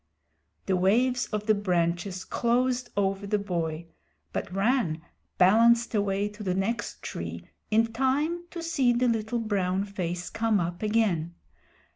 The waves of the branches closed over the boy, but Rann balanced away to the next tree in time to see the little brown face come up again.